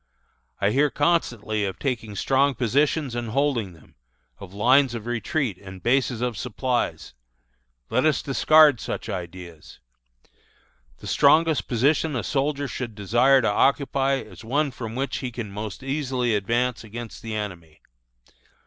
"I hear constantly of taking strong positions and holding them of lines of retreat and of bases of supplies. Let us discard such ideas. "The strongest position a soldier should desire to occupy is one from which he can most easily advance against the enemy.